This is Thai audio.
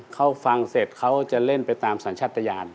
เขาฟังเสร็จเขาจะเล่นไปตามสัญชาติยาน